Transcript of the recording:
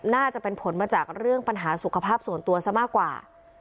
น่าจะเป็นผลมาจากเรื่องปัญหาสุขภาพส่วนตัวซะมากกว่า